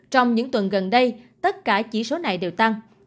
trong những tuần gần đây tất cả chỉ số này đều tăng